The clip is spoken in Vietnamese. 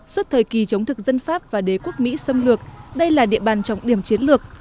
suốt thời kỳ chống thực dân pháp và đế quốc mỹ xâm lược đây là địa bàn trọng điểm chiến lược